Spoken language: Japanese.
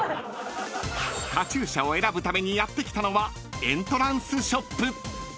［カチューシャを選ぶためにやって来たのはエントランスショップ］